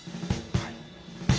はい。